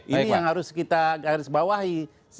ini yang harus kita garis bawahi